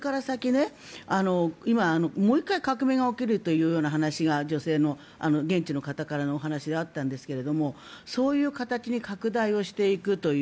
もう１回革命が起きるという話が現地の方からのお話であったんですがそういう形に拡大していくという。